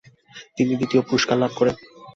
তিনি দ্বিতীয় পুরস্কার লাভ করেন।